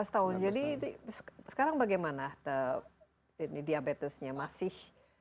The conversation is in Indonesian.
sembilan belas tahun jadi sekarang bagaimana diabetesnya masih